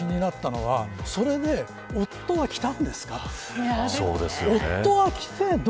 一つ、僕が気になったのがそれで、夫は来たんですか。